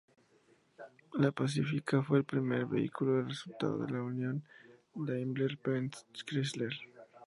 La Pacifica fue el primer vehículo resultado de la unión DaimlerBenz-Chrysler.